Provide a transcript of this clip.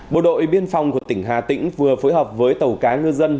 bộ đội biên phòng của tỉnh hà tĩnh vừa phối hợp với tàu cá ngư dân